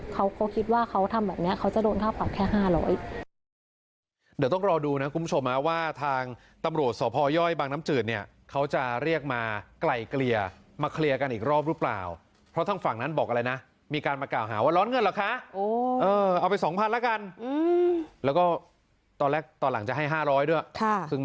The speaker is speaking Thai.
เขาก็คิดว่าเขาทำแบบนี้เขาจะโดนค่าปรับแค่๕๐๐บาท